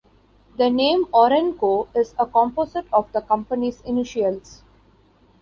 The name Orenco is a composite of the company's initials.